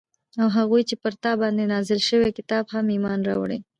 او هغو چې پر تا باندي نازل شوي كتاب هم ايمان راوړي